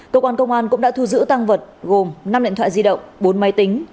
cơ quan công an cũng đã thu giữ tăng vật gồm năm điện thoại di động bốn máy tính